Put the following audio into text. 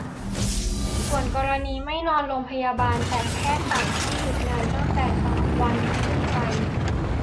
ส่วนกรณีไม่นอนโรงพยาบาล แต่แพทย์สั่งให้หยุดงานตั้งแต่ สาม วันขึ้นไป